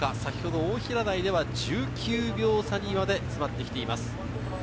大平台では１９秒差にまで詰まってきています。